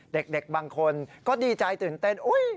เด็กบางคนก็ดีใจตื่นเต้น